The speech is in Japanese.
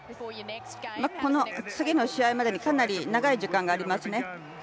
この次の試合までにかなり長い時間がありますね。